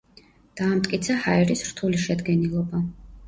დაამტკიცა ჰაერის რთული შედგენილობა.